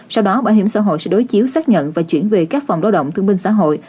sau đó bảo hiểm xã hội sẽ đối chiếu xác nhận và chuyển về các phòng lao động thương minh xã hội